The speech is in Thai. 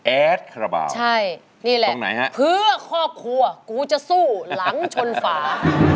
แอดขระเบาตรงไหนฮะใช่นี่แหละเพื่อครอบครัวกูจะสู้หลังชนฟ้า